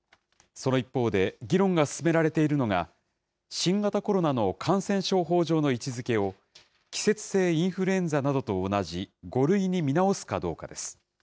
その一方で、議論が進められているのが、新型コロナの感染症法上の位置づけを、季節性インフルエンザなどと同じ５類に見直すかどうかです。